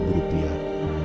sebesar delapan belas rupiah